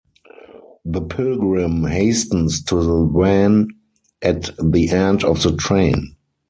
The pilgrim hastens to the van at the end of the train.